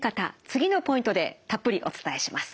次のポイントでたっぷりお伝えします。